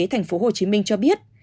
thành phố hồ chí minh cho biết